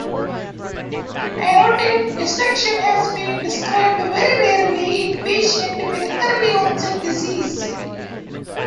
Aortic dissection has been described very rarely in patients with early-onset disease.